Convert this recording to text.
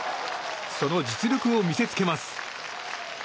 その実力を見せつけます。